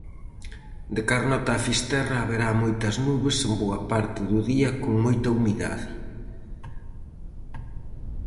De Carnota a Fisterra haberá moitas nubes en boa parte do día con moita humidade.